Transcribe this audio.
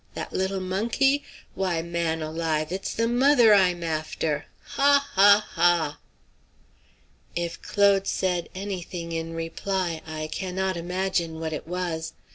That little monkey? Why, man alive, it's the mother I'm after. Ha, ha, ha!" If Claude said any thing in reply, I cannot imagine what it was. Mr.